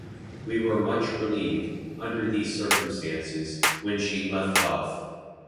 We were much relieved, under these circumstances, when she left off.